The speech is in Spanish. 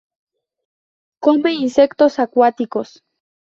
Come insectos acuáticos.